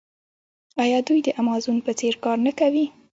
آیا دوی د امازون په څیر کار نه کوي؟